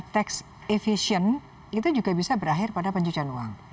tax efisien itu juga bisa berakhir pada pencucian uang